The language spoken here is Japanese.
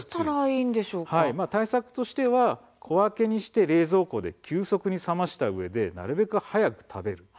対策としては小分けにして冷蔵庫で急速に冷ましたうえでなるべく早く食べること。